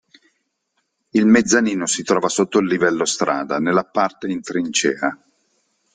Il mezzanino si trova sotto il livello strada, nella parte in trincea.